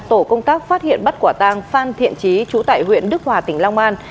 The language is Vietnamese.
tổ công tác phát hiện bắt quả tang phan thiện trí chú tải huyện đức hòa tỉnh long an